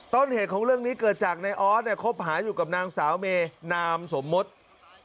ต้นเหตุของเรื่องนี้เกิดจากในออสเนี่ยคบหาอยู่กับนางสาวเมนามสมมติ